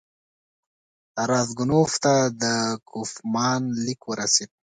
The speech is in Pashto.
راسګونوف ته د کوفمان لیک ورسېد.